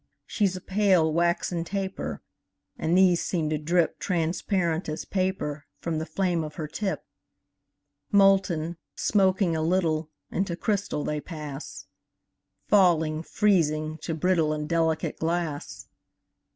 She's a pale, waxen taper; And these seem to drip Transparent as paper From the flame of her tip. Molten, smoking a little, Into crystal they pass; Falling, freezing, to brittle And delicate glass.